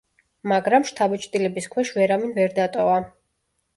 მაგრამ შთაბეჭდილების ქვეშ ვერავინ ვერ დატოვა.